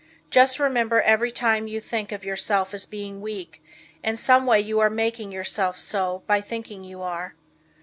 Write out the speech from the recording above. Just remember every time you think of yourself as being weak, in some way you are making yourself so by thinking you are.